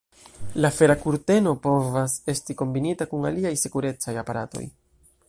La fera kurteno povas esti kombinita kun aliaj sekurecaj aparatoj.